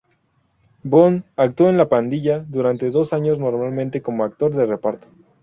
Bond actuó en "La Pandilla" durante dos años, normalmente como actor de reparto.